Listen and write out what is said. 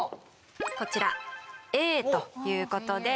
こちら「Ａ」ということで。